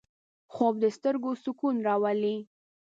خوب د سترګو سکون راولي